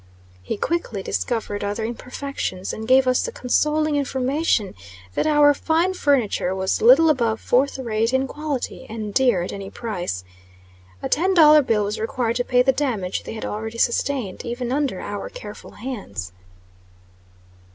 He quickly discovered other imperfections, and gave us the consoling information that our fine furniture was little above fourth rate in quality, and dear at any price. A ten dollar bill was required to pay the damage they had already sustained, even under our careful hands.